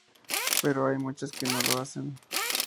Pero hay muchas que lo hacen.